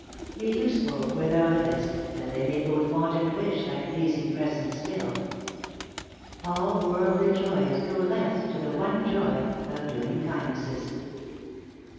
"Be useful where thou livest, that they may Both want and wish thy pleasing presence still. All worldly joys go less To the one joy of doing kindnesses."